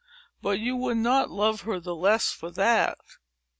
But you would not love her the less for that.